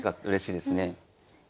うれしいですね。